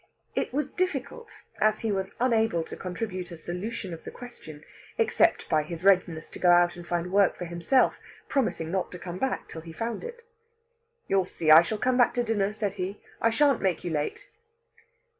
It was difficult, as he was unable to contribute a solution of the question, except by his readiness to go out and find work for himself, promising not to come back till he found it. "You'll see I shall come back to dinner," said he. "I shan't make you late."